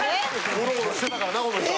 ゴロゴロしてたからなこの人は。